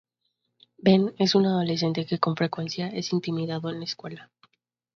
Ben es un adolescente que con frecuencia es intimidado en la escuela.